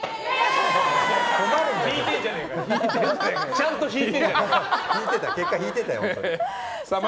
ちゃんと引いてんじゃねえかよ！